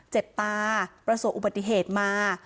ตาประสบอุบัติเหตุมา